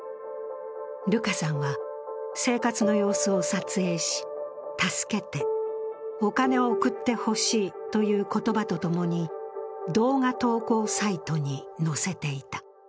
ルカさんは生活の様子を撮影し、助けて、お金を送ってほしいという言葉とともに動画投稿サイトに載せていた。